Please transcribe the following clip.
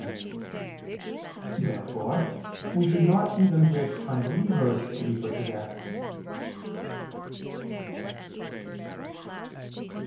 Therefore we should not even wish unbelievers to be put to death.